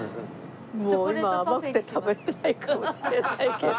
もう今甘くて食べられないかもしれないけど。